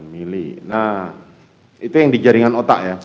mili nah itu yang di jaringan otak ya